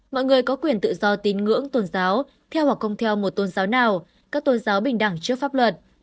mọi người có quyền tự do tín ngưỡng tôn giáo theo hoặc không theo một tôn giáo nào các tôn giáo bình đẳng trước pháp luật